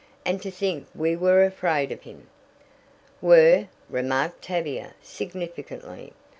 "And to think we were afraid of him!" "Were!" remarked Tavia significantly.